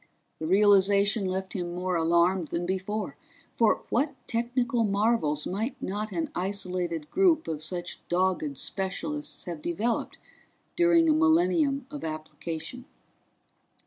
The realization left him more alarmed than before for what technical marvels might not an isolated group of such dogged specialists have developed during a millennium of application?